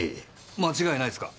間違いないですか？